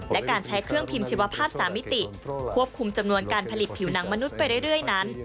และการใช้เครื่องพิมพ์ชีวภาพ๓มิติควบคุมจำนวนการผลิตผิวหนังมนุษย์ไปเรื่อยนั้น